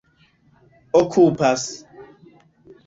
okupas